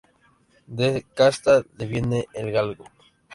De casta le viene al galgo